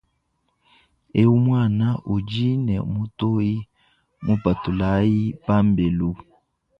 Ewu muana udi ne mitoyi mupatulayi pambelu.